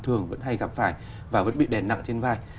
thường vẫn hay gặp phải và vẫn bị đèn nặng trên vai